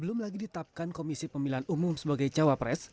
belum lagi ditetapkan komisi pemilihan umum sebagai cawapres